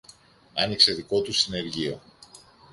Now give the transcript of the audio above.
άνοιξε δικό του συνεργείο.